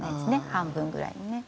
半分ぐらいにね。